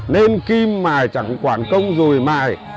nên kim mài chẳng quản công dùi mài